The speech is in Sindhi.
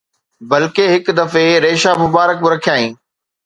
بلڪه هڪ دفعي ريشا مبارڪ به رکيائين